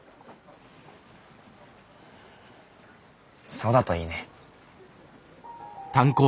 そうだといいね。